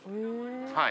はい。